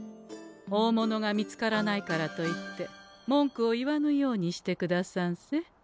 大物が見つからないからといって文句を言わぬようにしてくださんせ。